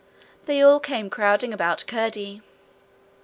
They all came crowding about Curdie.